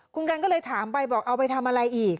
คุณกันก็เลยถามไปบอกเอาไปทำอะไรอีก